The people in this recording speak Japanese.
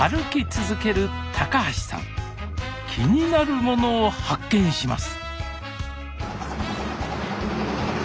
気になるものを発見します